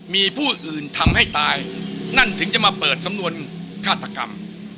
มีผู้อื่นทำให้ตายนั่นถึงจะมาเปิดสำนวนฆาตกรรม